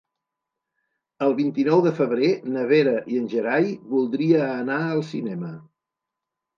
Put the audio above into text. El vint-i-nou de febrer na Vera i en Gerai voldria anar al cinema.